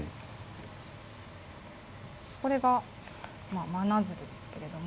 これがまなづるですけれども。